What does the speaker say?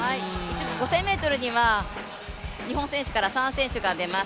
５０００ｍには日本選手から３選手が出ます。